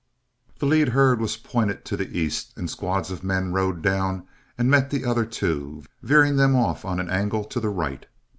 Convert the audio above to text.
The lead herd was pointed to the east, and squads of men rode down and met the other two, veering them off on an angle to the right.